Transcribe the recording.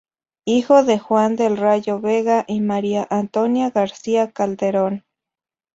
Hijo de Juan del Rallo Vega y María Antonia García Calderón.